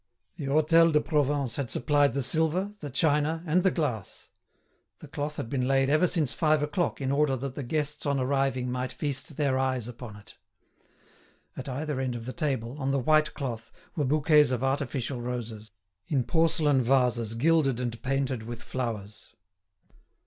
The Hôtel de Provence had supplied the silver, the china, and the glass. The cloth had been laid ever since five o'clock in order that the guests on arriving might feast their eyes upon it. At either end of the table, on the white cloth, were bouquets of artificial roses, in porcelain vases gilded and painted with flowers.